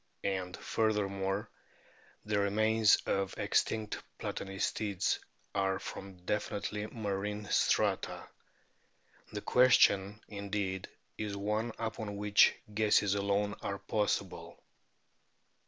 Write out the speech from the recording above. And, furthermore, the remains of extinct Platanistids are from definitely marine strata. The question, indeed, is one upon which guesses alone are possible.